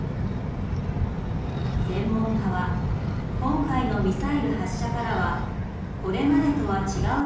専門家は今回のミサイル発射からはこれまでとは違う